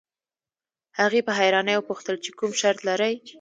هغې په حيرانۍ وپوښتل چې کوم شرط لرئ.